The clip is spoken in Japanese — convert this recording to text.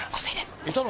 いたの？